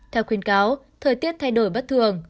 theo khuyên cáo thời tiết thay đổi bất thường